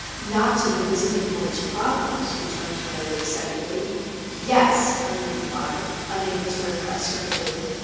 "Not to the Visiting Board's problems?" returned Mary, excitedly. "Yes," Ernie replied, unable to repress her glee.